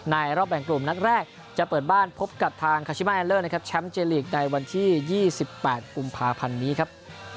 ในรอบแห่งกลุ่มนักแรกจะเปิดบ้านพบกับทางนะครับในวันที่ยี่สิบแปดกุมภาพันธ์นี้ครับ